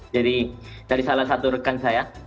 jadi dari salah satu rekan saya